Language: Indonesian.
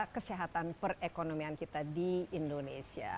kesehatan perekonomian kita di indonesia